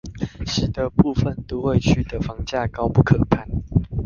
使得部分都會區的房價高不可攀